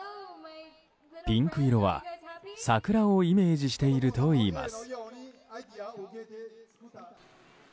ピンク色は、桜をイメージしているといいます。